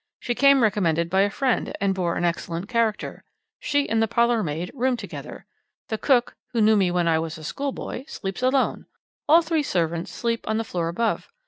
She came recommended by a friend, and bore an excellent character. She and the parlourmaid room together. The cook, who knew me when I was a schoolboy, sleeps alone; all three servants sleep on the floor above.